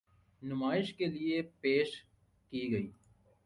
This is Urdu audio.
نمائش کے لیے پیش کی گئی۔